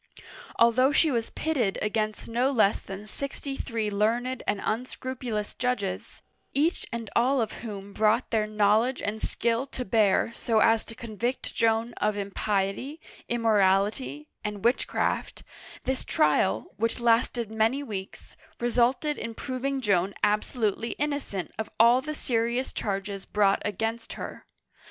Although she was pitted against no less than sixty three learned and unscrupulous judges, each and all of whom brought their knowledge and skill to bear so as to convict Joan of impiety, immorality, and witchcraft, this trial, which lasted many weeks, resulted in proving Joan absolutely innocent of all the serious charges brought against her.